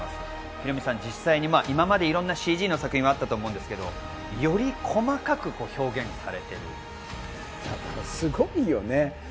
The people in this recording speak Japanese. ヒロミさん、実際に今までいろんなＣＧ作品はあったと思いますが、より細かく表現されている。